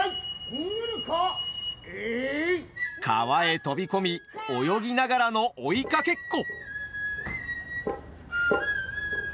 川へ飛び込み泳ぎながらの追いかけっこ！